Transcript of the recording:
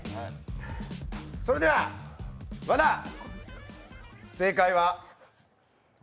それでは和田、正解は？